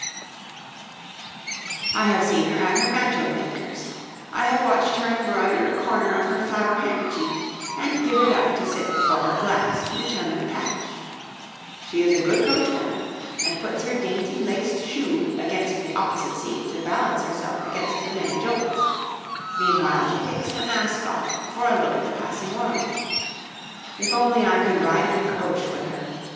[Illustration: {A woman of the time of Anne}] [Illustration: {A woman of the time of Anne}] I have seen her at her mantua makers; I have watched her embroider a corner of her flower handkerchief, and give it up to sit before her glass to determine a patch. She is a good coachwoman, and puts her dainty laced shoe against the opposite seat to balance herself against the many jolts; meanwhile she takes her mask off for a look at the passing world. If only I could ride in the coach with her!